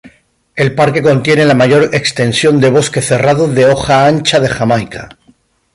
El parque contiene la mayor extensión de bosque cerrado de hoja ancha de Jamaica.